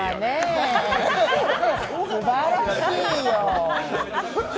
すばらしいよ。